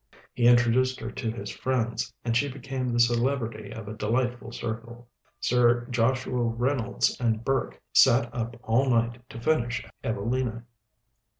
He introduced her to his friends, and she became the celebrity of a delightful circle. Sir Joshua Reynolds and Burke sat up all night to finish 'Evelina.'